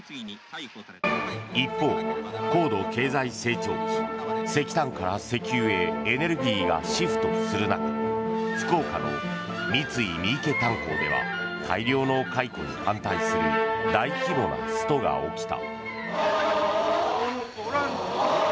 一方、高度経済成長期石炭から石油へエネルギーがシフトする中福岡の三井三池炭鉱では大量の解雇に反対する大規模なストが起きた。